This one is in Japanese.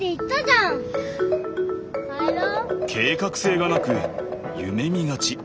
計画性がなく夢見がち。